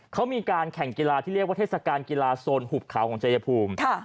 เขามีการแข่งกีฬาที่เรียกว่าเทศกาลกีฬาโซนหุบเขาของชายภูมิ